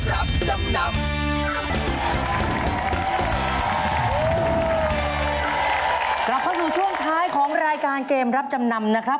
กลับเข้าสู่ช่วงท้ายของรายการเกมรับจำนำนะครับ